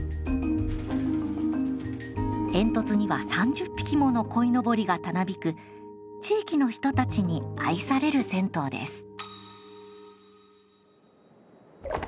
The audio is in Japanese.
煙突には、３０匹ものこいのぼりがたなびく地域の人たちに愛される銭湯です。